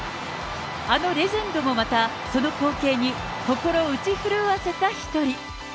あのレジェンドもまた、その光景に心をうち震わせた１人。